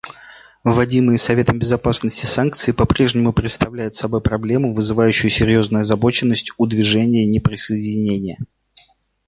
Вводимые Советом Безопасности санкции попрежнему представляют собой проблему, вызывающую серьезную озабоченность у Движения неприсоединения.